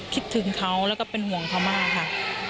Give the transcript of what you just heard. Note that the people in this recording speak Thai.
คิดถึงเขาแล้วก็เป็นห่วงเขามากค่ะ